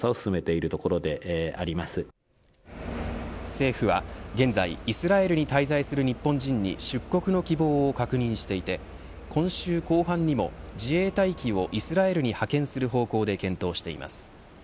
政府は現在イスラエルに滞在する日本人に出国の希望を確認していて今週後半にも自衛隊機をイスラエルに派遣する方向で検討しています。